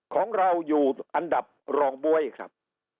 ของเราอยู่อันดับรองบ๊วยครับ